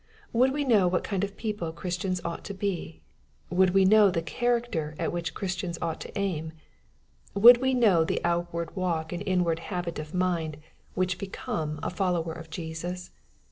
Would we know what kind of people Christians ought to be ? Would we know the character at which Chris tians ought to aim ? Would we know the outward walk and inward habit of mind which become a follower of Jesus